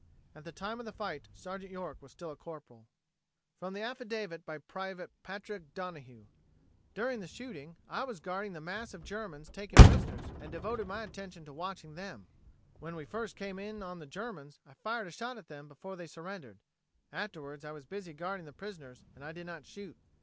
At the time of the fight Sergeant York was still a Corporal. From the affidavit by Private Patrick Donohue: "During the shooting, I was guarding the mass of Germans taken prisoners and devoted my attention to watching them. When we first came in on the Germans, I fired a shot at them before they surrendered. Afterwards I was busy guarding the prisoners and did not shoot.